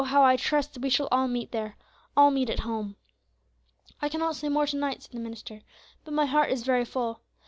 how I trust we shall all meet there, all meet at home! "I cannot say more to night," said the minister, "but my heart is very full.